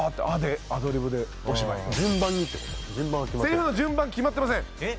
せりふの順番決まってません。